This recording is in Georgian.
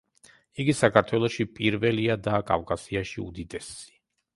იგი საქართველოში პირველია და კავკასიაში უდიდესი.